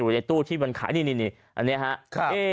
อยู่ในตู้ที่มันขายนี่นี่นี่อันนี้ครับ